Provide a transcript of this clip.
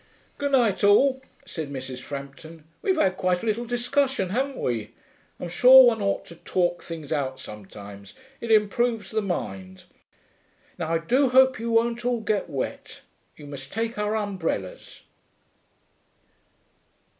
'Good night all,' said Mrs. Frampton. 'We've had quite a little discussion, haven't we? I'm sure one ought to talk things out sometimes, it improves the mind. Now I do hope you won't all get wet. You must take our umbrellas.'